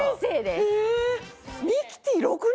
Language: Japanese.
え！